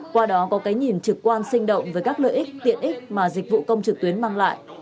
qua đó có cái nhìn trực quan sinh động với các lợi ích tiện ích mà dịch vụ công trực tuyến mang lại